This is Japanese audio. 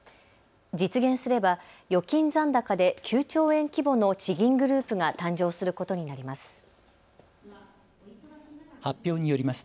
実現すれば預金残高で９兆円規模の地銀グループが誕生することになります。